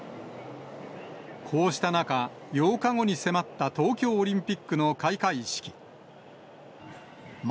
こうした中、８日後に迫った東京オリンピックの開会式。